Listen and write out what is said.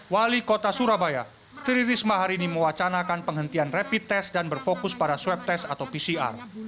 wali kota surabaya tri risma hari ini mewacanakan penghentian rapid test dan berfokus pada swab test atau pcr